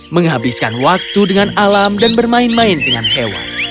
menghabiskan waktu dengan alam dan bermain main dengan hewan